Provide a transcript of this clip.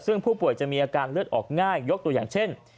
ซึ่งผู้ป่วยจะมีอาการเลือดออกง่ายยกตัวอย่างเช่น